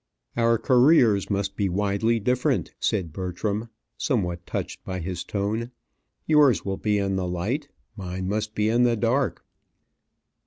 "Our careers must be widely different," said Bertram, somewhat touched by his tone; "yours will be in the light; mine must be in the dark."